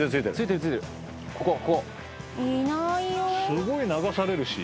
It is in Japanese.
すごい流されるし。